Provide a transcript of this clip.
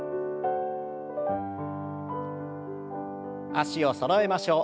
脚をそろえましょう。